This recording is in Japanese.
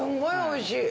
おいしい。